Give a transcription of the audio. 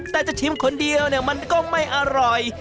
แต่จะชิมคนเดียวเนี่ยมันก็ไม่อร่อย